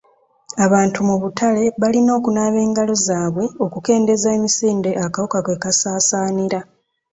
Abantu mu butale balina okunaaba engalo zaabwe okukendeeza emisinde akawuka kwe kasaasaanira.